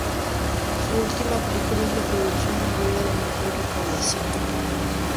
Su última película es la producción noruega de mayor recaudación.